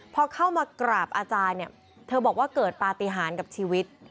พอเข้ามากราบอาจารย์เนี่ยเธอบอกว่าเกิดปฏิหารกับชีวิต